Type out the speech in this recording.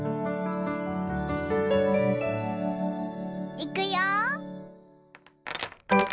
いくよ。